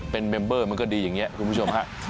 เป็นเมมเบอร์มันก็ดีอย่างนี้คุณผู้ชมฮะ